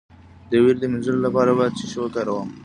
د ویرې د مینځلو لپاره باید څه شی وکاروم؟